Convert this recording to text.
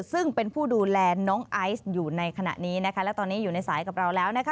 ซึ่งเป็นผู้ดูแลน้องไอซ์อยู่ในขณะนี้นะคะและตอนนี้อยู่ในสายกับเราแล้วนะคะ